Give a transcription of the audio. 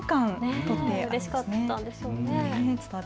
うれしかったんでしょうね。